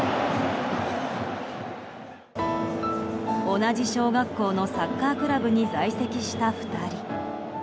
同じ小学校のサッカークラブに在籍した２人。